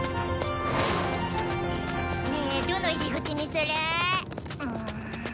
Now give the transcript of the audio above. ねえどの入り口にするぅ？